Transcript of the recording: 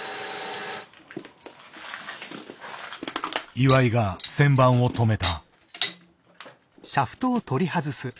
岩井が旋盤を止めた。